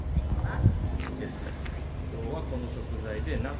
きょうはこの食材でなす